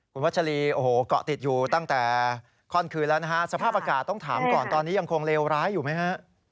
คุณวัชรีโอ้โหเกาะติดอยู่ตั้งแต่ข้อคืนแล้วนะฮะสภาพอากาศต้องถามก่อนตอนนี้ยังคงเลวร้ายอยู่ไหมฮะ